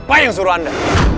siapa yang suruh anda